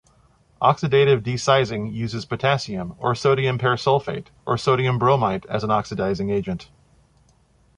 Oxidative desizing uses potassium or sodium persulfate or sodium bromite as an oxidizing agent.